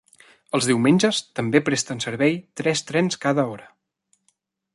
Els diumenges també presten servei tres trens cada hora.